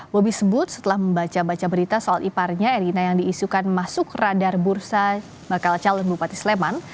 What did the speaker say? bobi sebut setelah membaca baca berita soal iparnya erina yang diisukan masuk radar bursa bakal calon bupati sleman